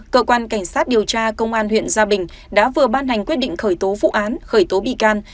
cơ quan cảnh sát điều tra công an huyện gia bình đã vừa ban hành quyết định khởi tố vụ án khởi tố bị can